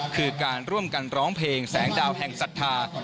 คือการร่วมกันร้องเพลงแสงดาวแห่งศรัทธา